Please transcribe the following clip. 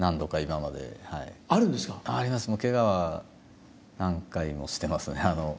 ケガは何回もしてますね。